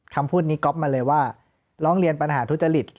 คำพูดนี้ก๊อฟมาเลยว่าร้องเรียนปัญหาทุจริต